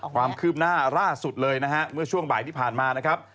ความคืบหน้าล่าสุดเลยนะฮะเมื่อช่วงบ่ายที่ผ่านมานะครับ